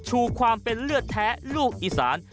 ชูความเป็นเลือดแท้ลูกอีสาน